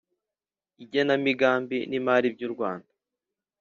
igenamigambi n’imari by’urwanda